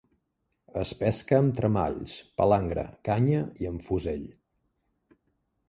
Es pesca amb tremalls, palangre, canya i amb fusell.